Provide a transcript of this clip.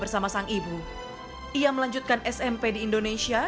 ia melanjutkan smp di indonesia